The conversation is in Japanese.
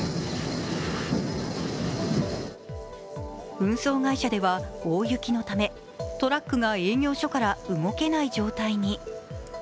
運送会社では大雪のため、トラックが営業所から動けない状態に。